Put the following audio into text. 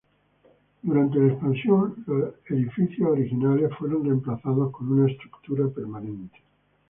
Durante la expansión, los edificios originales fueron reemplazados con una estructura permanente.